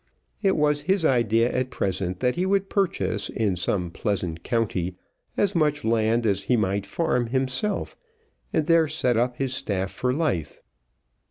It was his idea at present that he would purchase in some pleasant county as much land as he might farm himself, and there set up his staff for life.